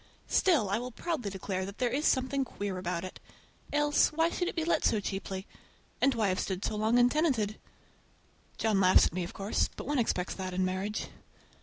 Still I will proudly declare that there is something queer about it. Else, why should it be let so cheaply? And why have stood so long untenanted? John laughs at me, of course, but one expects that in marriage.